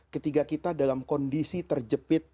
ketika kita dalam kondisi terjepit